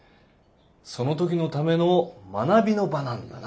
その時のための学びの場なんだな